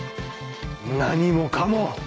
何もかも！